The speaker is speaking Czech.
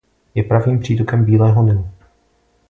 Je pravým přítokem Bílého Nilu.